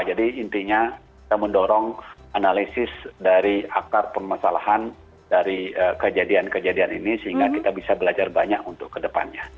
jadi intinya kita mendorong analisis dari akar permasalahan dari kejadian kejadian ini sehingga kita bisa belajar banyak untuk kedepannya